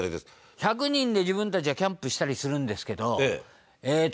１００人で自分たちはキャンプしたりするんですけどえっと